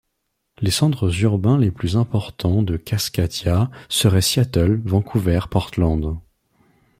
Les centres urbains les plus importants de Cascadia seraient Seattle, Vancouver, Portland.